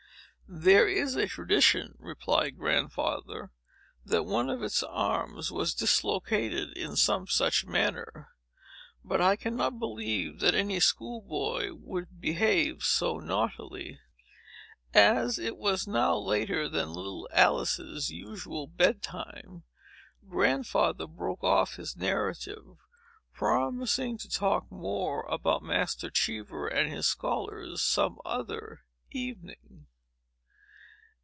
"There is a tradition," replied Grandfather, "that one of its arms was dislocated, in some such manner. But I cannot believe that any school boy would behave so naughtily." As it was now later than little Alice's usual bedtime, Grandfather broke off his narrative, promising to talk more about Master Cheever and his scholars, some other evening.